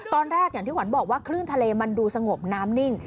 อย่างที่ขวัญบอกว่าคลื่นทะเลมันดูสงบน้ำนิ่ง